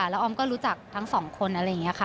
แล้วออมก็รู้จักทั้งสองคนอะไรอย่างนี้ค่ะ